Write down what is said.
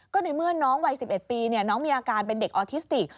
ก็ในเมื่อน้องวัย๑๑ปีน้องมีอาการเป็นเด็กออทิสติก